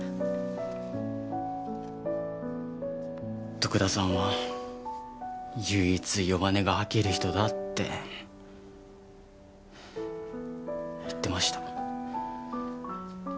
徳田さんは唯一弱音が吐ける人だって言ってました。